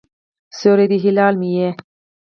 سیوری د هلال مې یې